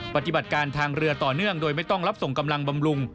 ปฏิบัติการทางเรือต่อเนื่องโดยไม่ต้องรับส่งกำลังบำรุง